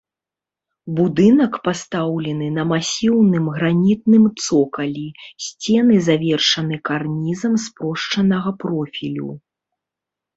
Будынак пастаўлены на масіўным гранітным цокалі, сцены завершаны карнізам спрошчанага профілю.